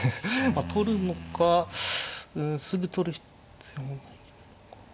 取るのかうんすぐ取る必要ないのか。